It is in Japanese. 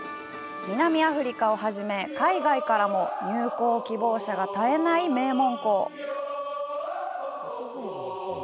南アフリカをはじめ、海外からも入校希望者が絶えない名門校。